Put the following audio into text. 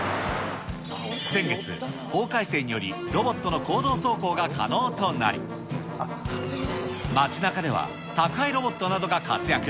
先月、法改正により、ロボットの公道走行が可能となり、街なかでは、宅配ロボットなどが活躍。